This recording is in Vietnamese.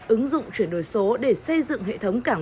ứng dụng chuyển đổi số để xây dựng hệ thống cảng